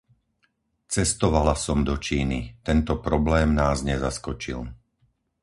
Cestovala som do Číny; tento problém nás nezaskočil.